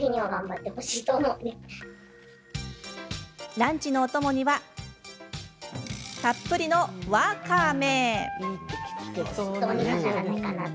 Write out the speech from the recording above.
ランチのお供にはたっぷりのワカメ！